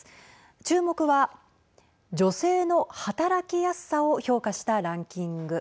注目は女性の働きやすさを評価したランキング。